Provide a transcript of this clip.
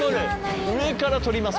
上から獲ります